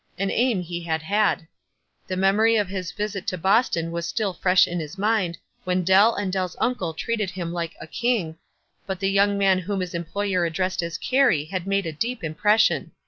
An aim he had had. The memory of his visit to Boston was still fresh in his mind, when Dell and Dell's uncle treated him like a "king," but the young man whom his employer addressed as Carey had made a deep impression.